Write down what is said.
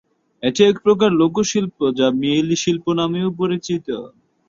এটি এক প্রকার লোকশিল্প যা মেয়েলি শিল্প নামেও পরিচিত।